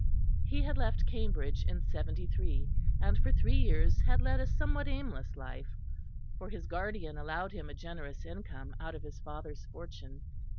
He had left Cambridge in '73, and for three years had led a somewhat aimless life; for his guardian allowed him a generous income out of his father's fortune.